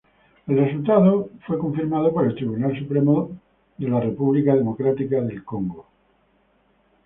El resultado fue confirmado por el Tribunal Supremo de la República Democrática del Congo.